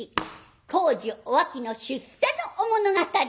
孝女お秋の出世のお物語。